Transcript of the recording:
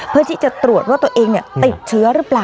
เพื่อที่จะตรวจว่าตัวเองติดเชื้อหรือเปล่า